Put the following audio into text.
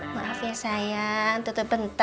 maaf ya sayang tutup bentar ya